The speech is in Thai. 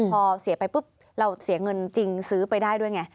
พอเสียไปปุ๊บเราเสียเงินจริงซื้อไปได้ด้วยไง